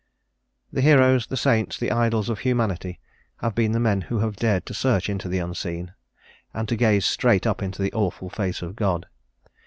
The heroes, the saints, the idols of humanity, have been the men who have dared to search into the Unseen, and to gaze straight up into the awful Face of God.